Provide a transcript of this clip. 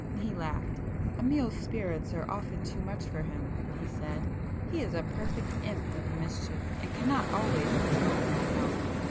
He laughed. "Amiel's spirits are often too much for him,"—he said—"He is a perfect imp of mischief and cannot always control himself."